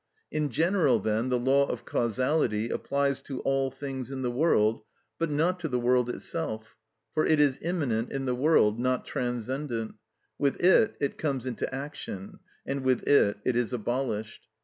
In general, then, the law of causality applies to all things in the world, but not to the world itself, for it is immanent in the world, not transcendent; with it it comes into action, and with it it is abolished.